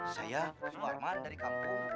saya suarman dari kampung